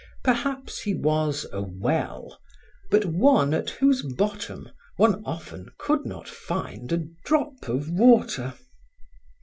Perhaps he was a well, but one at whose bottom one often could not find a drop of water.